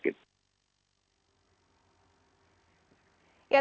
ini juga kita ada tim yang khusus memonitor warga warganya